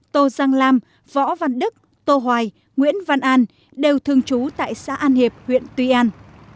tô giang lam võ văn đức tô hoài nguyễn văn an đều thường trú tại xã an hiệp huyện tuy an